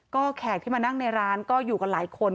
ก็แขกที่มานั่งในร้านก็อยู่กันหลายคน